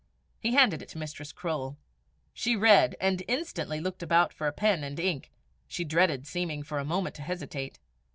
He handed it to Mistress Croale; she read, and instantly looked about for pen and ink: she dreaded seeming for a moment to hesitate.